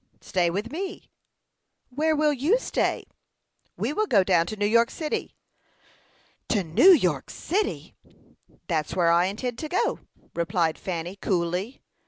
"Stay with me." "Where will you stay?" "We will go down to New York city." "To New York city!" "That's where I intend to go," replied Fanny, coolly.